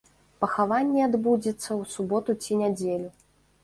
Пахаванне адбудзецца ў суботу ці нядзелю.